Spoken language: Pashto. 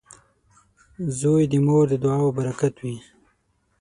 • زوی د مور د دعاو برکت وي.